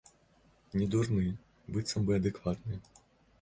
Недурны, быццам бы, адэкватны.